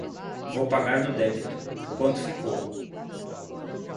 Vou pagar no débito. Quanto ficou?